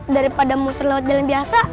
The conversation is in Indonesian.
daripada muter lewat jalan biasa